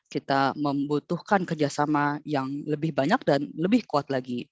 kita membutuhkan kerjasama yang lebih banyak dan lebih kuat lagi